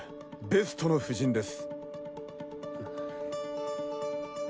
ベストの布陣です。